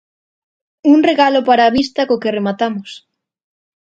Un regalo para a vista co que rematamos.